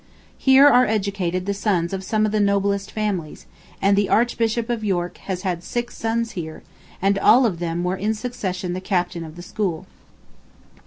Here are educated the sons of some of the noblest families, and the Archbishop of York has had six sons here, and all of them were in succession the Captain of the school.